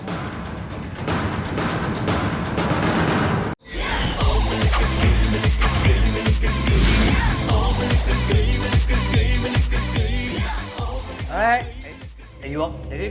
เฮ้ไอ้นายวง